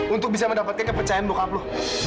untuk bisa mendapatkan kepercayaan bokap lo